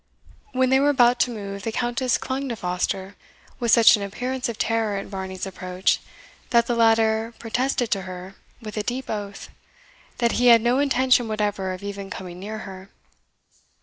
When they were about to move, the Countess clung to Foster with such an appearance of terror at Varney's approach that the latter protested to her, with a deep oath, that he had no intention whatever of even coming near her.